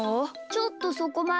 ちょっとそこまで。